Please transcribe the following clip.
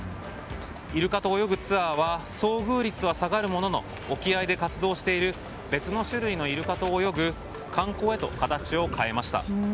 イルカと泳ぐツアーは遭遇率は下がるものの沖合で活動している別の種類のイルカと泳ぐ観光へと形を変えました。